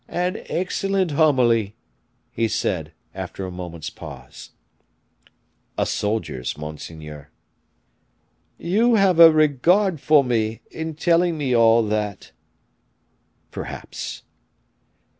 "An excellent homily," he said, after a moment's pause. "A soldier's, monseigneur." "You have a regard for me, in telling me all that." "Perhaps."